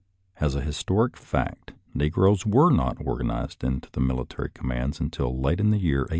As a historical fact, negroes were not organized into military commands until late in the year 1862.